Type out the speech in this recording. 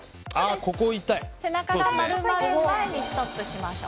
背中が丸まる前にストップしましょう。